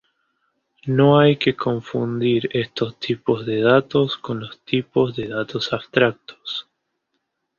No hay que confundir estos tipos de datos con los tipos de datos abstractos.